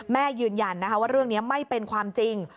ยืนยันนะคะว่าเรื่องนี้ไม่เป็นความจริง